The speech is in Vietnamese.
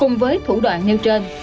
cùng với thủ đoạn nêu trên